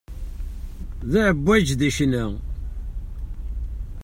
D aεebbwaj di ccna.